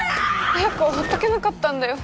彩花はほっとけなかったんだよ